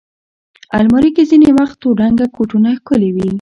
الماري کې ځینې وخت تور رنګه کوټونه ښکلي وي